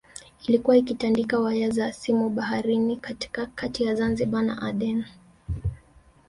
Ilikuwa ikitandika waya za simu baharini kati ya Zanzibar na Aden